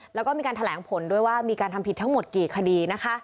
แล้วก็มีการแถลงผลด้วยว่ามีการทำผิดทั้งหมดกี่คดีนะคะ